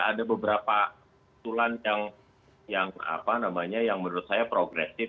ada beberapa usulan yang menurut saya progresif